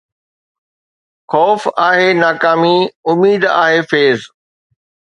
خوف آهي ناڪامي، اميد آهي فيض